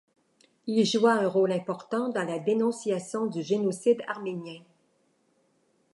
Il joua un rôle important dans la dénonciation du génocide arménien.